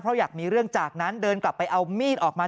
เพราะอยากมีเรื่องจากนั้นเดินกลับไปเอามีดออกมา